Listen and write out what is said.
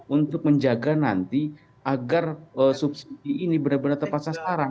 untuk menjaga nanti agar subsidi ini benar benar terpaksa sekarang